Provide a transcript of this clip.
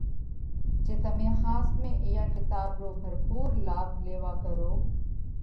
جي تمي ۿاس ۾ اِيئا ڪِتاٻ رو ڀرپُور لاڀ ليوا ڪروھ